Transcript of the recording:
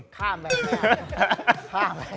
ข้ามเลย